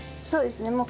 そうですね。